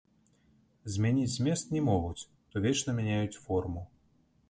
Змяніць змест не могуць, то вечна мяняюць форму.